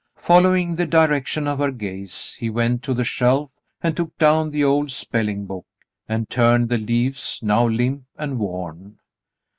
Following the direction of her gaze, he went to the shelf and took down the old spelling book, and turned the leaves, now limp and worn.